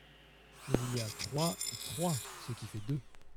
Mais il y a Troie et Troyes…ce qui fait deux.